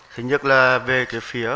thứ nhất là về phía